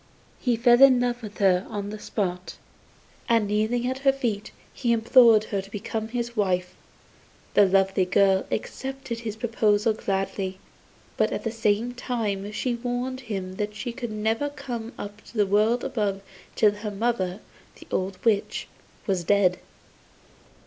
He fell in love with her on the spot, and kneeling at her feet, he implored her to become his wife. The lovely girl accepted his proposal gladly; but at the same time she warned him that she could never come up to the world above till her mother, the old witch, was dead.